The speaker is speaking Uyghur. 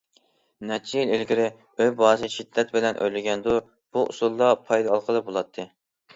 نەچچە يىل ئىلگىرى ئۆي باھاسى شىددەت بىلەن ئۆرلىگەندە بۇ ئۇسۇلدا پايدا ئالغىلى بولاتتى.